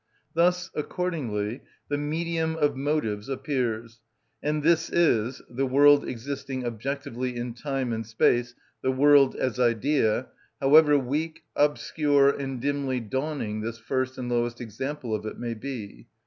Thus accordingly the medium of motives appears, and this is—the world existing objectively in time and space, the world as idea, however weak, obscure, and dimly dawning this first and lowest example of it may be.